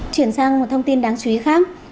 chuyển sang một thông tin đáng chú ý khác